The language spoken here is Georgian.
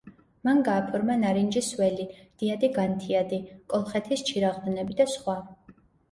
მან გააფორმა „ნარინჯის ველი“, „დიადი განთიადი“, „კოლხეთის ჩირაღდნები“ და სხვა.